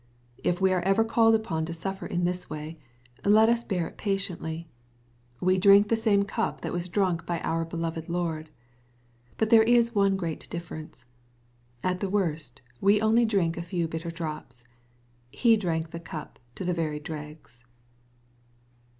If we are ever called upon to suflFer in this way, let us bear it patiently. We drink the same cup that was drunk T)y our beloved Lord. But there is one great diflFerence. ^At the worst, we only drink a few bitter drops. He drank the cup to the very dregs.